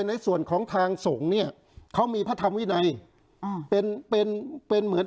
ในส่วนของทางสงฆ์เนี่ยเขามีพระธรรมวินัยอ่าเป็นเป็นเหมือน